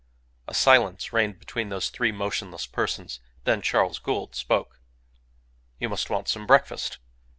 A silence reigned between those three motionless persons. Then Charles Gould spoke "You must want some breakfast."